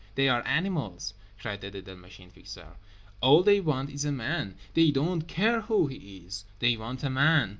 They are animals," cried the little Machine Fixer; "all they want is a man. They don't care who he is; they want a man.